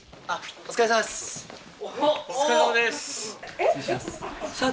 お疲れさまです。